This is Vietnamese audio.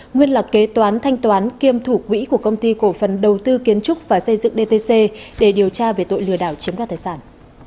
nguyên là kế toán thanh toán kiêm thủ quỹ của công ty cổ phần đầu tư kiến trúc và xây dựng dtc để điều tra về tội lừa đảo chiếm đoạt tài sản